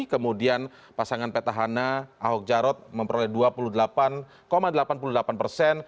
kemudian pasangan petahana ahok jarot memperoleh dua puluh delapan delapan puluh delapan persen